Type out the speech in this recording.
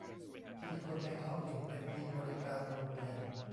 ที่คนในท้องถิ่นเป็นทีมบริการโรงเรียน